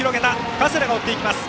加世田が追っていきます。